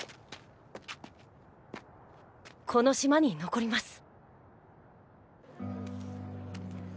この島に残ります。